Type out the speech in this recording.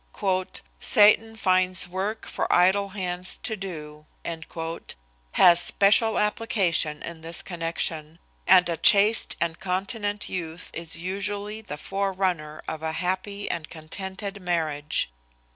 "Satan finds work for idle hands to do," has special application in this connection, and a chaste and continent youth is usually the forerunner of a happy and contented marriage.